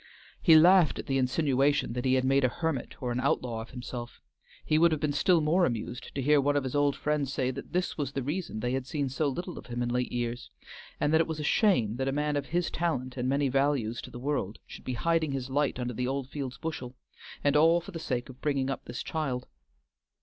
He laughed at the insinuation that he had made a hermit or an outlaw of himself; he would have been still more amused to hear one of his old friends say that this was the reason they had seen so little of him in late years, and that it was a shame that a man of his talent and many values to the world should be hiding his light under the Oldfields bushel, and all for the sake of bringing up this child.